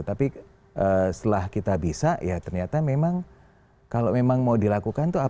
tapi setelah kita bisa ya ternyata memang kalau memang mau dilakukan itu apa